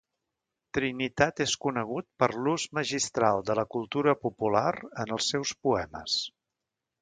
Trinitat és conegut per l'ús magistral de la cultura popular en els seus poemes.